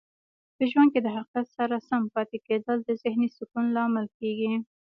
په ژوند کې د حقیقت سره سم پاتې کیدل د ذهنې سکون لامل کیږي.